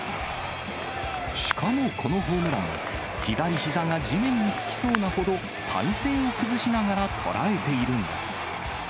しかもこのホームラン、左ひざが地面につきそうなほど、体勢を崩しながら捉えているんです。